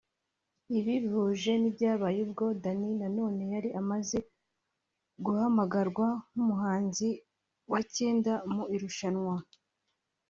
Ibi bihuje n'ibyabaye ubwo Danny Nanone yari amaze guhamagarwa nk’umuhanzi wa cyenda mu irushanwa